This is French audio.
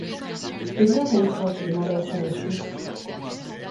Eh bien, Pencroff, demanda Cyrus Smith